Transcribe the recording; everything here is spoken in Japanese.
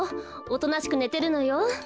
おとなしくねてるのよ。